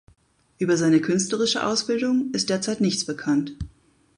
Über seine künstlerische Ausbildung ist derzeit nichts bekannt.